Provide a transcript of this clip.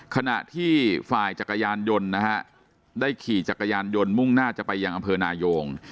ขณะที่ฝ่ายจักรยานยนต์นะฮะได้ขี่จักรยานยนต์มุ่งหน้าจะไปยังอำเภอนายง